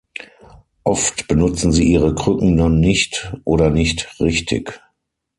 Oft benutzen sie ihre Krücken dann nicht oder nicht richtig.